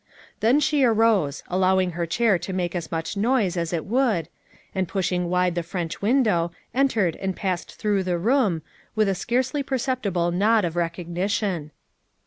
Then she arose, allowing her chair to make as much noise as it would, and pushing wide the French window entered and passed through the room, with a scarcely perceptible nod of recognition.